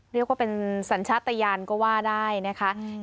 เรียกว่าเป็นสัญชาติยานก็ว่าได้นะคะ